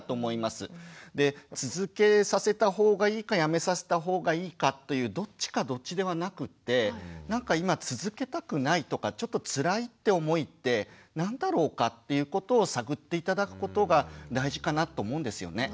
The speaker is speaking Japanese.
で続けさせた方がいいかやめさせた方がいいかというどっちかどっちではなくってなんか今続けたくないとかちょっとつらいって思いって何だろうかっていうことを探って頂くことが大事かなと思うんですよね。